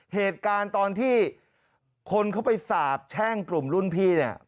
เหตุการณ์ตอนที่คนเขาไปสาบแช่งกลุ่มรุ่นพี่เนี่ย